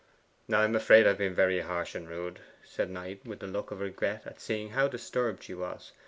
'I am afraid I have been very harsh and rude,' said Knight, with a look of regret at seeing how disturbed she was.